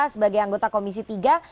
sebagai anggota komisi tiga